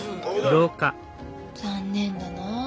残念だなあ。